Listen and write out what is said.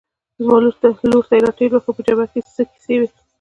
زما لور ته یې را ټېل واهه، په جبهه کې څه کیسې وې؟